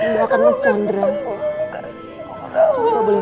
sebaiknya bawa kamar se candra